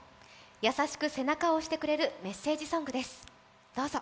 優しく背中を押してくれるメッセージソングです、どうぞ。